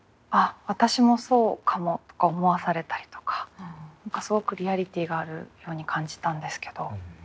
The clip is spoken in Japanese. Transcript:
「あっ私もそうかも」とか思わされたりとかすごくリアリティーがあるように感じたんですけど。